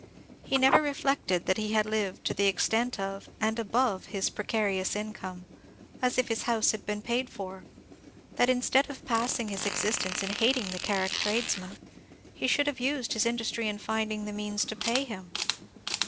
He never reflected that he had lived to the extent of, and above his precarious income, as if his house had been paid for; that, instead of passing his existence in hating the Carrick tradesman, he should have used his industry in finding the means to pay him.